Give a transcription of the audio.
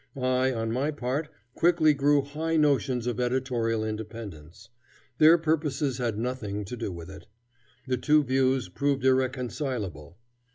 I, on my part, quickly grew high notions of editorial independence. Their purposes had nothing to do with it. The two views proved irreconcilable.